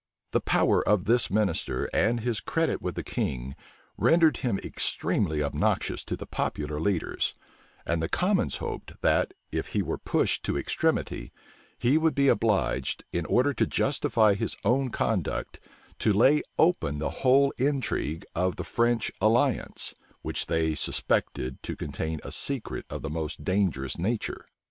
The power of this minister, and his credit with the king, rendered him extremely obnoxious to the popular leaders; and the commons hoped that, if he were pushed to extremity, he would be obliged, in order to justify his own conduct, to lay open the whole intrigue of the French alliance, which they suspected to contain a secret of the most dangerous nature.